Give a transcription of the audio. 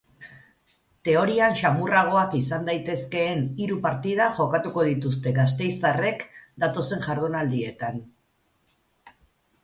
Teorian samurragoak izan daitezkeen hiru partida jokatuko dituzte gasteiztarrek datozen jardunaldietan.